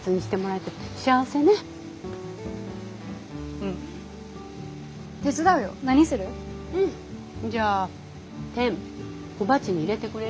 うんじゃあてん小鉢に入れてくれる？